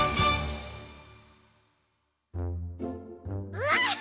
うわっは！